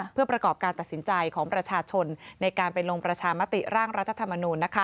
เพื่อประกอบการตัดสินใจของประชาชนในการไปลงประชามติร่างรัฐธรรมนูล